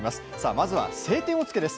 まずは「青天を衝け」です。